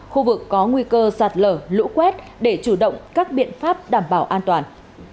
khu vực có nguy cơ sạt lở lũ quét để chủ động các biện pháp đảm bảo an toàn